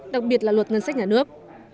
đặc biệt là luật ngân sách nhà nước